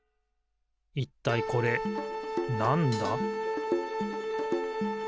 いったいこれなんだ？